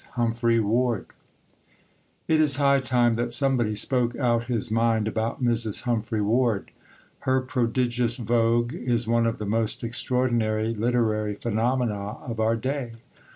HUMPHRY WARD It is high time that somebody spoke out his mind about Mrs. Humphry Ward. Her prodigious vogue is one of the most extraordinary literary phenomena of our day.